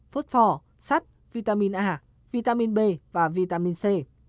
phốt phò sắt vitamin a vitamin b và vitamin c